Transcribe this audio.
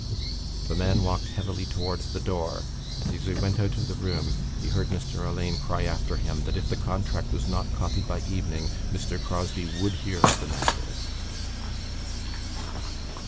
The man walked heavily towards the door and, as he went out of the room, he heard Mr Alleyne cry after him that if the contract was not copied by evening Mr Crosbie would hear of the matter.